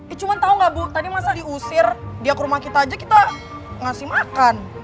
ya cuma tahu gak bu tadi masa diusir dia ke rumah kita aja kita ngasih makan